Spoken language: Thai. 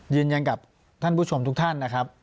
ยืนยันกับท่านผู้ชมทุกท่านนะครับ